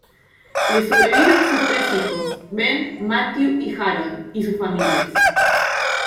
Les sobreviven sus tres hijos, Ben, Matthew y Harold, y sus familias.